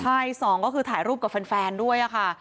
ใช่๒ก็คือถ่ายรูปกับแฟนด้วย